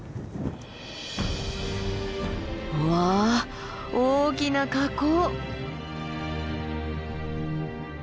わあ大きな火口。